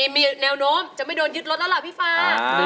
มีแนวโน้มจะไม่โดนยึดรถแล้วล่ะพี่ฟ้า